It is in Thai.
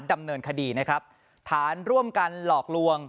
ดำเนินคดีนะครับฐานร่วมกันหลอกลวง